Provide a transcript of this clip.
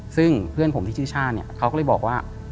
ซึ่งเพื่อนผมที่ชื่อชาติเนี่ยเขาก็เลยบอกว่า